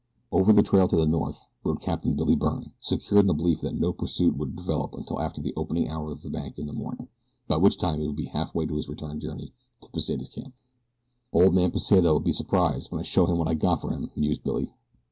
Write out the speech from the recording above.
Over the trail to the north rode Captain Billy Byrne, secure in the belief that no pursuit would develop until after the opening hour of the bank in the morning, by which time he would be halfway on his return journey to Pesita's camp. "Ol' man Pesita'll be some surprised when I show him what I got for him," mused Billy.